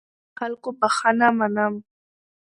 زه له خلکو بخښنه منم.